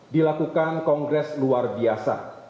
dilakukan kongres luar biasa